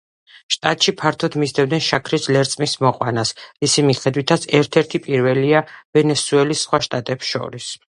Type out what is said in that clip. შტატში ფართოდ მისდევენ შაქრის ლერწმის მოყვანას, რისი მიხედვითაც ერთ-ერთი პირველია ვენესუელის სხვა შტატებს შორის.